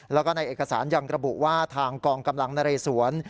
แล้วก็ในเอกสารยังระบุว่าทางกองกำลังนเรสวน